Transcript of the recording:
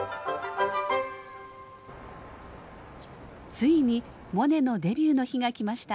ついにモネのデビューの日が来ました。